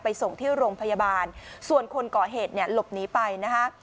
ส่งที่โรงพยาบาลส่วนคนก่อเหตุเนี่ยหลบหนีไปนะคะ